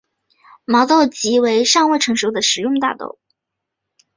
毛豆即为尚未成熟的食用大豆。